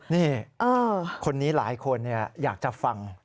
นี่คนนี้หลายคนอยากจะฟัง